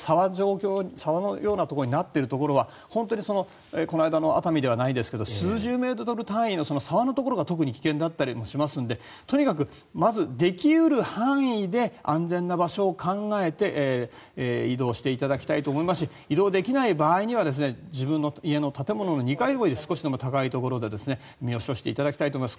沢のようなところになっているところは本当にこの間の熱海ではないですが、数十メートル単位の沢のところが特に危険だったりしますのでとにかくまず、でき得る範囲で安全な場所を考えて移動していただきたいと思いますし移動できない場合には自分の家の建物の２階など少しでも高いところで身を処していただきたいと思います。